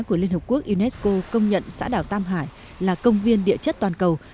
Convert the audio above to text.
của liên hợp quốc unesco công nhận xã đảo tam hải là công viên địa chất toàn cầu